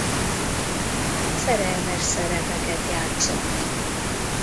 Szerelmes szerepeket játszott.